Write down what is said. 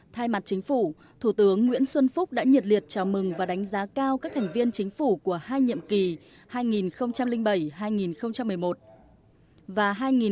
thay mặt chính phủ thủ tướng nguyễn xuân phúc đã nhiệt liệt chào mừng và đánh giá cao các thành viên chính phủ của hai nhiệm kỳ hai nghìn bảy hai nghìn một mươi một và hai nghìn một mươi một hai nghìn một mươi sáu